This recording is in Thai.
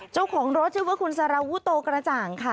เจ้าของรถชื่อว่าคุณสารวุโตกระจ่างค่ะ